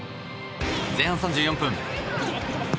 前半３４分。